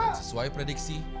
dan sesuai prediksi